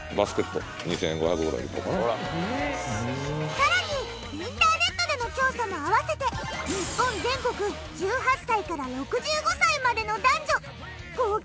さらにインターネットでの調査も合わせて日本全国１８歳から６５歳までの男女合計